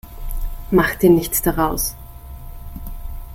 Mach dir nichts daraus.